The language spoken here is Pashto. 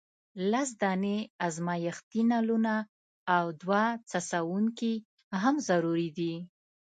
لس دانې ازمیښتي نلونه او دوه څڅونکي هم ضروري دي.